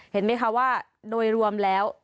เห็นไหมคะว่าโดยรวมแล้ว